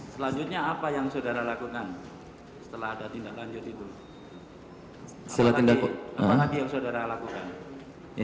selanjutnya apa yang saudara lakukan setelah ada tindak lanjut itu